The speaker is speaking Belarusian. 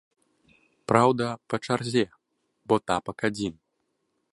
Праўда, па чарзе, бо тапак адзін.